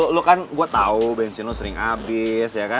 lo kan gue tau bensin lu sering habis ya kan